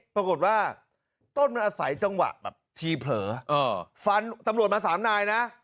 ปรากฏว่าต้นมันอาศัยจังหวะแบบทีเผลอฟันตำรวจมาสามนายนะ